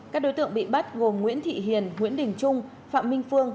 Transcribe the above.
các đối tượng bị bắt gồm nguyễn thị hiền nguyễn đình trung phạm minh phương